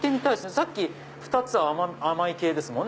さっき２つは甘い系ですもんね